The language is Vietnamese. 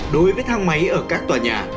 đối với thang máy ở các tòa nhà